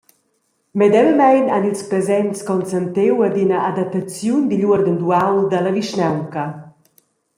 Medemamein han ils presents consentiu ad ina adattaziun digl uorden d’uaul dalla vischnaunca.